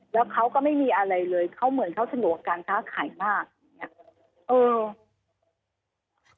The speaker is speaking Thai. แล้วเขาก็ไม่มีอะไรเลยเขาเหมือนเขาสนุกกับการค้าขายมากอย่างนี้